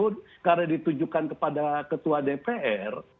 tidak ada yang ditunjukkan kepada ketua dpr